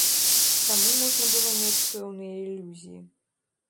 Таму можна было мець пэўныя ілюзіі.